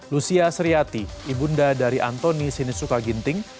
lucia sriati ibunda dari antoni sinisuka ginting